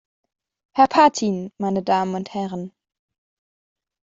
Herr Patijn, meine Damen und Herren.